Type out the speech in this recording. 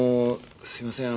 すみません